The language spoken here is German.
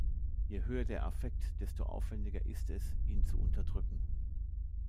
Je höher der Affekt, desto aufwändiger ist es, ihn zu unterdrücken.